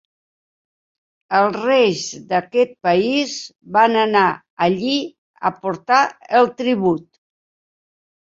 Els reis d'aquest país van anar allí a portar el tribut.